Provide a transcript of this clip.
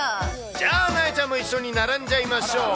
じゃあ、なえちゃんも一緒に並んじゃいましょう。